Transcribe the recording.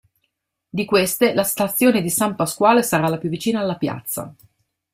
Di queste, la stazione di San Pasquale sarà la più vicina alla piazza.